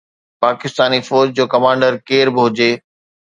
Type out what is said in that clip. پاڪستاني فوج جو ڪمانڊر ڪير به هجي.